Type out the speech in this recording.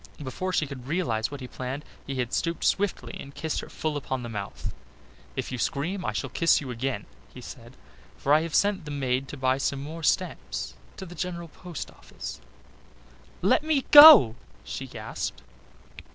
Before she could realise what he planned, he had stooped swiftly and kissed her full upon the mouth. "If you scream, I shall kiss you again," he said, "for I have sent the maid to buy some more stamps to the General Post Office." "Let me go," she gasped.